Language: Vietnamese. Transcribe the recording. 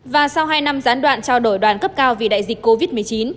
và sau hai năm gián đoạn trao đổi đoàn cấp cao vì đại dịch covid một mươi chín